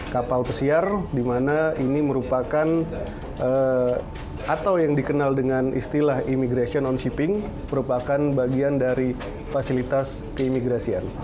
kapal pesiar di mana ini merupakan atau yang dikenal dengan istilah immigration non shipping merupakan bagian dari fasilitas keimigrasian